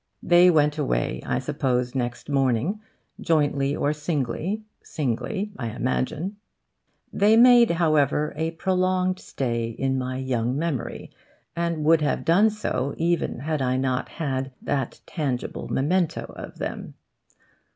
They went away, I suppose, next morning; jointly or singly; singly, I imagine. They made, however, a prolonged stay in my young memory, and would have done so even had I not had that tangible memento of them.